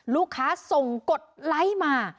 ลูกค้าส่งกดไลค์มา